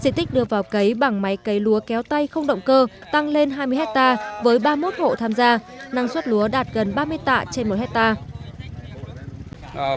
diện tích đưa vào cấy bằng máy cấy lúa kéo tay không động cơ tăng lên hai mươi hectare với ba mươi một hộ tham gia năng suất lúa đạt gần ba mươi tạ trên một hectare